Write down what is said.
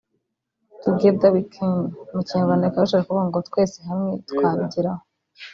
'Together we can' mu kinyarwanda bikaba bishatse kuvuga ngo 'Twese hamwe twabigeraho'